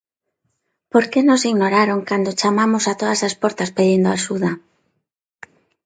Por que nos ignoraron cando chamamos a todas as portas pedindo axuda?